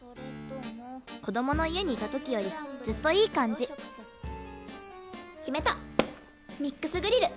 「子どもの家」にいた時よりずっといい感じ決めたミックスグリル！